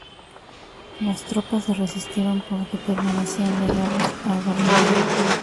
Las tropas se resistieron porque permanecían leales a Galerio.